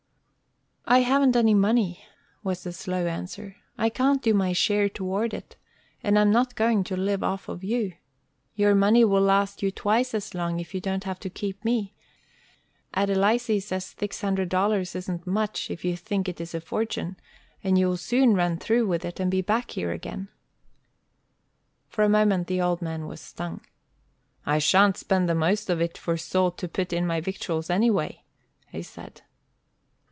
"I haven't any money," was the slow answer. "I can't do my share toward it. And I'm not going to live off of you. Your money will last you twice as long as if you don't have to keep me. Adelizy says six hundred dollars isn't much, if you do think it is a fortune, and you'll soon run through with it, and be back here again." For a moment the old man was stung. "I sha'n't spend the most of it for salt to put in my victuals anyway," he said.